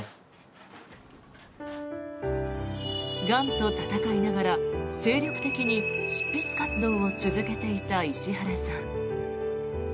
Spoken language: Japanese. がんと闘いながら精力的に執筆活動を続けていた石原さん。